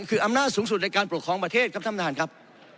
คืออำนาจสูงสุดในการปกครองประเทศครับท่านประธานครับ